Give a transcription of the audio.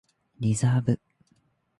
リザーブ